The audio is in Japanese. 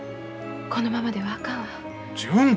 このままではあかんわ。